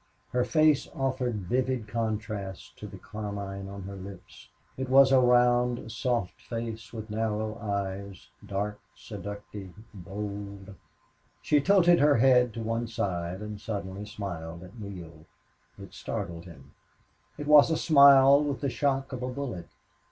Her face offered vivid contrast to the carmine on her lips. It was a round, soft face, with narrow eyes, dark, seductive, bold. She tilted her head to one side and suddenly smiled at Neale. It startled him. It was a smile with the shock of a bullet.